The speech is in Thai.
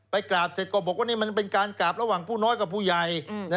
กราบเสร็จก็บอกว่านี่มันเป็นการกราบระหว่างผู้น้อยกับผู้ใหญ่